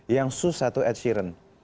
yang susah tuh ed sheeran